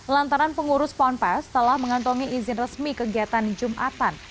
lantaran pengurus ponpes telah mengantongi izin resmi kegiatan jumatan